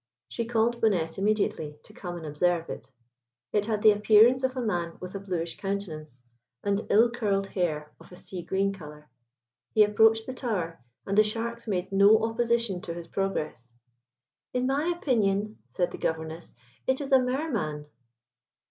She called Bonnette immediately to come and observe it. It had the appearance of a man with a bluish countenance, and ill curled hair of a sea green colour. He approached the tower, and the sharks made no opposition to his progress. "In my opinion," said the Governess, "it is a Mer man."